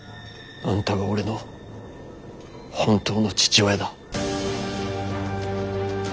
あんたが俺の本当の父親だ。